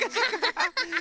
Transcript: ハッハハハ。